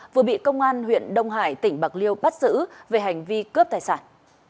vừa bị công an huyện đông hải tỉnh bạc liêu bắt giữ về hành vi cướp tài sản